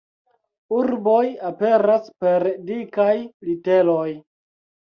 Urboj aperas per dikaj literoj.